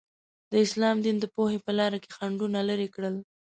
د اسلام دین د پوهې په لاره کې خنډونه لرې کړل.